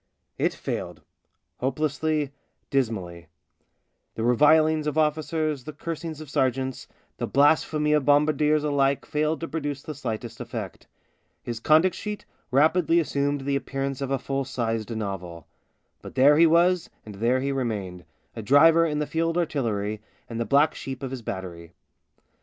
It failed — hopelessly, dismally. The re vilings of officers, the cursings of sergeants, THE BLACK SHEEP 65 the blasphemy of bombardiers alike failed to produce the slightest effect. His conduct sheet rapidly assumed the appearance of a full sized novel ; but there he was and there he remained — a driver in the Field Artillery, and the black sheep of his battery.